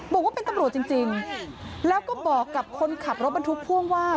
บอกว่าเป็นตำรวจจริงแล้วก็บอกกับคนขับรถบรรทุกพ่วงว่า